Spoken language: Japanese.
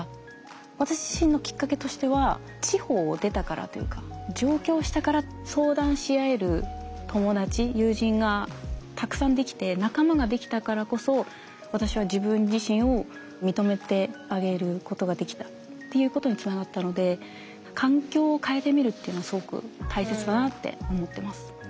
私自身のきっかけとしては地方を出たからというか上京したから相談し合える友達友人がたくさんできて仲間ができたからこそ私は自分自身を認めてあげることができたっていうことにつながったので環境を変えてみるっていうのはすごく大切だなって思ってます。